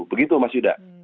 begitu mas yuda